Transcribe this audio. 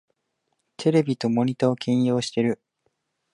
テレビとモニタを兼用してる